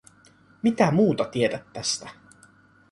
Mitä muuta tiedät tästä?